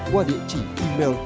qua địa chỉ email